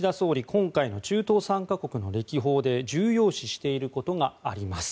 今回の中東３か国の歴訪で重要視していることがあります。